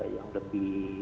yang lebih jauh